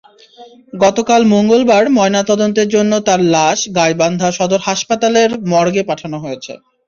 গতকাল মঙ্গলবার ময়নাতদন্তের জন্য তাঁর লাশ গাইবান্ধা সদর হাসপাতালের মর্গে পাঠানো হয়েছে।